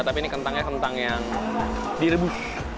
tapi ini kentangnya kentang yang direbus